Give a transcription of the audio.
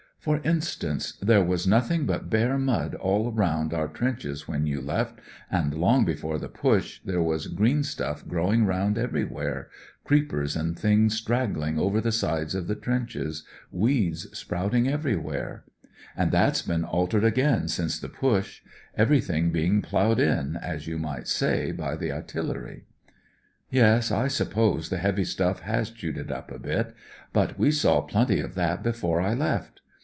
For instance, there was t( it «(«( 192 THE DIFFERENCE nothing but bare mud all round our trenches when you left, and long before the Push there was green stuff growing round everywhere ; creepers and things straggling over the sides of the trenches ; weeds sprouting everywhere. And that's been altered again since the Push ; every thing being ploughed in, as you might say, by the a'tillery/' Yes, I suppose the heavy stuff has chewed it up a bit ; but we saw plenty of that before I left.